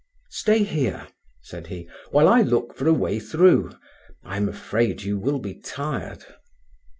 "Stay here," said he, "while I look for a way through. I am afraid you will be tired."